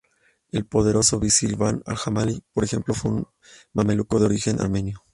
El poderoso visir Badr al-Jamali, por ejemplo, fue un mameluco de origen armenio.